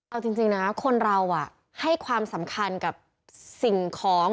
เอาจริงนะคนเราให้ความสำคัญกับสิ่งของ